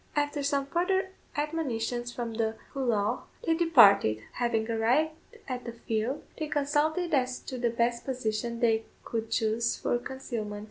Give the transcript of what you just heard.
After some further admonitions from the Collough, they departed. Having arrived at the field, they consulted as to the best position they could chose for concealment.